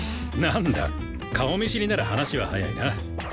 なんだ顔見知りなら話は早いな。